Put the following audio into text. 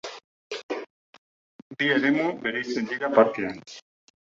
Bi eremu bereizten dira parkean.